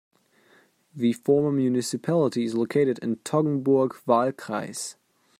The former municipality is located in the Toggenburg Wahlkreis.